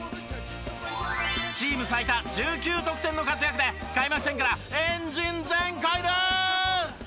チーム最多１９得点の活躍で開幕戦からエンジン全開です！